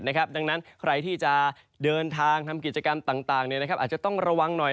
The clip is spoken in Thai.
ดังนั้นใครที่จะเดินทางทำกิจกรรมต่างอาจจะต้องระวังหน่อย